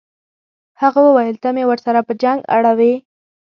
هغه وویل ته مې ورسره په جنګ اړوې.